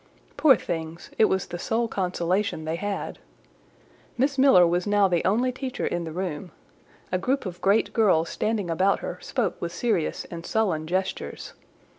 Poor things! it was the sole consolation they had. Miss Miller was now the only teacher in the room: a group of great girls standing about her spoke with serious and sullen gestures.